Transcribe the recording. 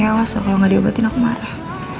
awas loh kalo gak diubatin aku marah